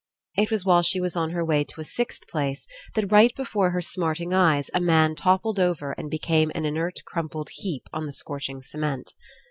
It was while she was on her way to a sixth place that right before her smarting eyes a man toppled over and became an inert crumpled heap on the scorching cement.